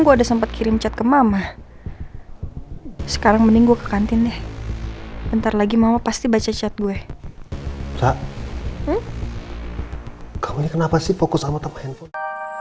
kamu kenapa sih fokus sama toko handphone